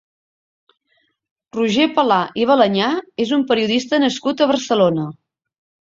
Roger Palà i Balanyà és un periodista nascut a Barcelona.